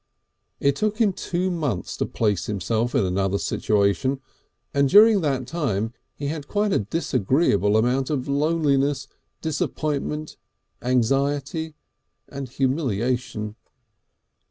It took him two months to place himself in another situation, and during that time he had quite a disagreeable amount of loneliness, disappointment, anxiety and humiliation.